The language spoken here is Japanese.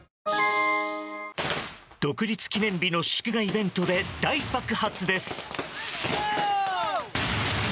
独立記念日の祝賀イベントで大爆発です。